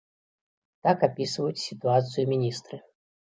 Так апісваюць сітуацыю міністры.